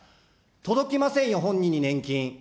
届きませんよ、本人に年金。